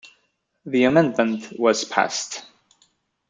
The amendment was passed.